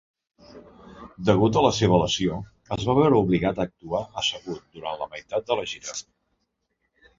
Degut a la seva lesió, es va veure obligat a actuar assegut durant la meitat de la gira.